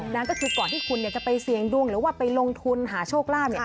นั่นก็คือก่อนที่คุณจะไปเสี่ยงดวงหรือว่าไปลงทุนหาโชคลาภ